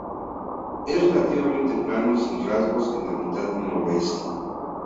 Es relativamente plano y sin rasgos en la mitad noroeste.